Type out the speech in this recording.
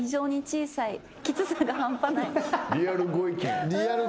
リアルご意見。